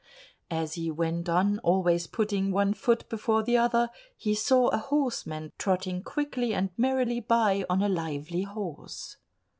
As he went on, always putting one foot before the other, he saw a horseman trotting quickly and merrily by on a lively horse.